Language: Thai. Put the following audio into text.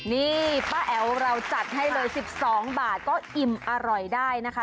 นี่ป้าแอ๋วเราจัดให้เลย๑๒บาทก็อิ่มอร่อยได้นะคะ